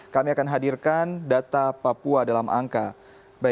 kami akan hadirkan data papua dalam angka